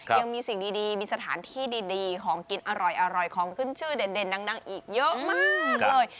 ยังมีสิ่งดีมีสถานที่ดีของกินอร่อยของขึ้นชื่อเด่นดังอีกเยอะมากเลย